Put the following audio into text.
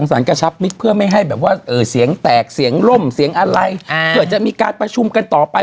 เสียงร่มเสียงอะไรเผื่อจะมีการประชุมกันต่อไป